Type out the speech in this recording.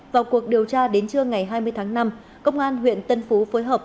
vào cuộc điều tra đến trưa ngày hai mươi tháng năm công an huyện tân phú phối hợp